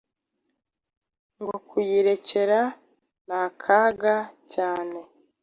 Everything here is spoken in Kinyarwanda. Ngo Kuyirekura n’akaga cyane